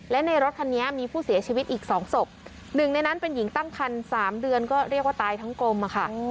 และในรถคันนี้มีผู้เสียชีวิตอีกสองศพหนึ่งในนั้นเป็นหญิงตั้งคันสามเดือนก็เรียกว่าตายทั้งกลมอะค่ะ